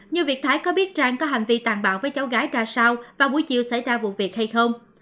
như việc thái có biết trang có hành vi tàn bạo với cháu gái ra sao vào buổi chiều xảy ra vụ việc hay không